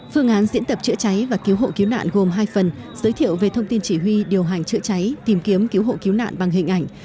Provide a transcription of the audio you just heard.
phương án diễn tập chữa cháy và cứu hộ cứu nạn gồm hai phần giới thiệu về thông tin chỉ huy điều hành chữa cháy tìm kiếm cứu hộ cứu nạn bằng hình ảnh